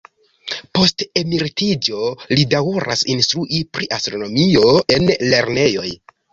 Post emeritiĝo, li daŭras instrui pri astronomio en lernejoj.